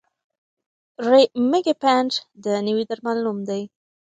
ریمیګیپینټ د نوي درمل نوم دی.